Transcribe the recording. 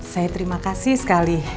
saya terima kasih sekali